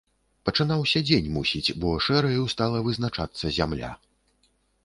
Пачынаўся дзень, мусіць, бо шэраю стала вызначацца зямля.